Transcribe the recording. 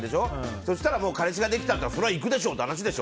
そうしたら彼氏ができたら行くでしょっていう話でしょ。